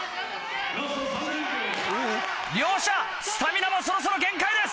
両者スタミナもそろそろ限界です。